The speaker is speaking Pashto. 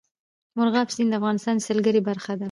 مورغاب سیند د افغانستان د سیلګرۍ برخه ده.